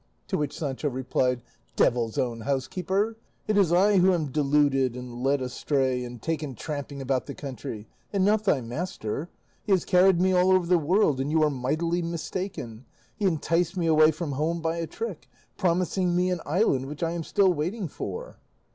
To which Sancho replied, "Devil's own housekeeper! it is I who am deluded, and led astray, and taken tramping about the country, and not thy master! He has carried me all over the world, and you are mightily mistaken. He enticed me away from home by a trick, promising me an island, which I am still waiting for."